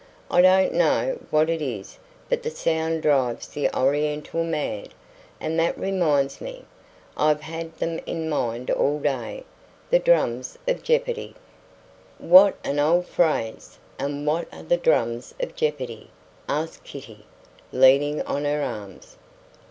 I don't know what it is, but the sound drives the Oriental mad. And that reminds me I've had them in mind all day the drums of jeopardy!" "What an odd phrase! And what are the drums of jeopardy?" asked Kitty, leaning on her arms.